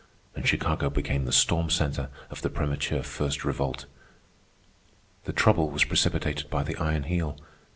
And Chicago became the storm centre of the premature First Revolt. The trouble was precipitated by the Iron Heel.